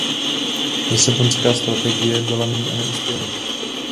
Lisabonská strategie byla mezivládní, a neuspěla.